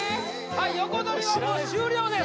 はい横取りはもう終了です